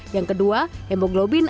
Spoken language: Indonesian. yang kedua hemoglobin